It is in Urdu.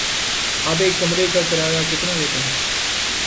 آپ ایک کمرے کا کرایہ کتنا لیتے ہیں؟